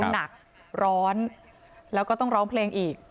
หนักร้อนแล้วก็ต้องร้องเพลงอีก